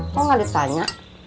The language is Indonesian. kok gak ditanya